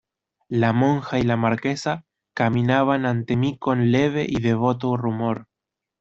la monja y la Marquesa caminaban ante mí con leve y devoto rumor.